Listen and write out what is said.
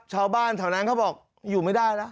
ชาวบ้านแถวนั้นเขาบอกอยู่ไม่ได้แล้ว